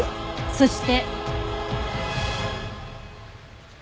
そして。